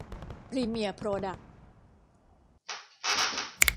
พรีเมียร์ โพรดักส์